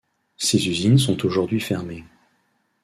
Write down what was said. Ces usines sont aujourd'hui fermées.